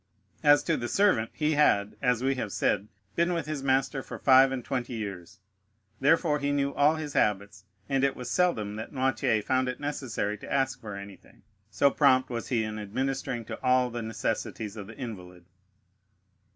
As to the servant, he had, as we have said, been with his master for five and twenty years, therefore he knew all his habits, and it was seldom that Noirtier found it necessary to ask for anything, so prompt was he in administering to all the necessities of the invalid.